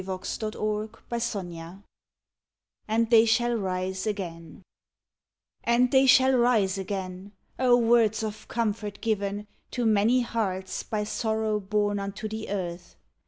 SONGS OF CONSOLATION AND THEY SHALL RISE AGAIN "And they shall rise again!" Oh, words of comfort given To many hearts by sorrow borne unto the earth!